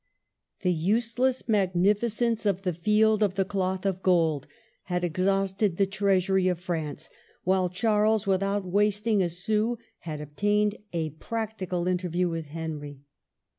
The useless magnificence of the Field of the Cloth of Gold had exhausted the treasury of France, while Charles, without wasting a sou, had obtained a practical interview with Henry.